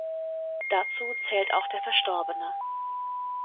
Dazu zählt auch der Verstorbene.